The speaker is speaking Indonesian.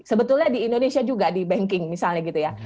sebetulnya di indonesia juga di banking misalnya gitu ya